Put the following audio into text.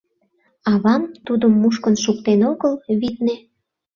Авам тудым мушкын шуктен огыл, витне...